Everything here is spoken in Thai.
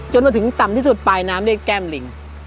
จนถึงต่ำที่สุดปลายน้ำได้แก้มลิง